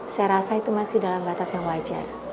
saya rasa itu masih dalam batas yang wajar